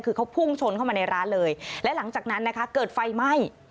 คือเขาพุ่งชนเข้ามาในร้านเลยและหลังจากนั้นนะคะเกิดไฟไหม้